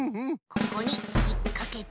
ここにひっかけて。